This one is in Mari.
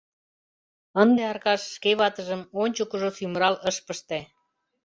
Ынде Аркаш шке ватыжым ончыкыжо сӱмырал ыш пыште.